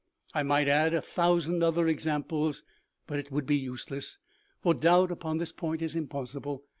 " I might add a thousand other examples, but it would be useless, for doubt upon this point is impossible.